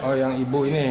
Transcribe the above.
oh yang ibu ini